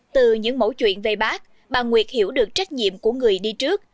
từ những mẫu chuyện về bác bà nguyệt hiểu được trách nhiệm của người đi trước